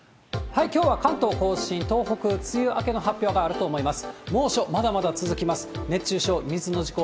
きょうは関東甲信、東北、梅雨明けの発表があると思います。